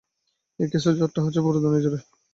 এই কেসে, ঝড়টা হচ্ছে পুরো দুনিয়াজুড়ে!